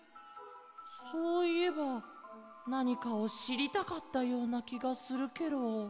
そういえばなにかをしりたかったようなきがするケロ。